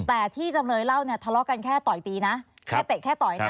แต่ที่จำเลยเล่าเนี่ยทะเลาะกันแค่ต่อยตีนะแค่เตะแค่ต่อยนะ